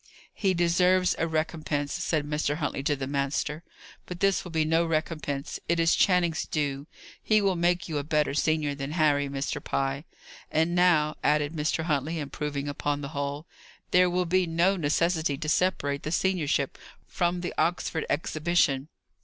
"He deserves a recompense," said Mr. Huntley to the master. "But this will be no recompense; it is Channing's due. He will make you a better senior than Harry, Mr. Pye. And now," added Mr. Huntley, improving upon the whole, "there will be no necessity to separate the seniorship from the Oxford exhibition."